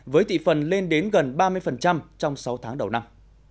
với tỷ phần lên đến gần ba mươi trong sáu tháng đầu năm